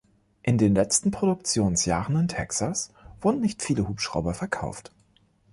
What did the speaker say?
In den letzten Produktionsjahren in Texas wurden nicht viele Hubschrauber verkauft.